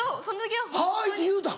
「はい」って言うたん？